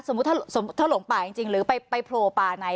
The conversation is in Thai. ถ้าหลงป่าจริงหรือไปโผล่ป่าไหน